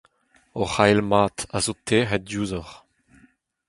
Hoc’h ael mat a zo tec’het diouzhoc’h.